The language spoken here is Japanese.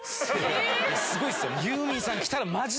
すごいですよ。